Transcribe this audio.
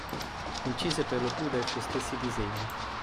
Incise per lo più da suoi stessi disegni.